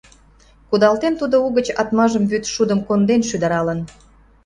Кудалтен тудо угыч атмажым Вӱд шудым конден шӱдыралын.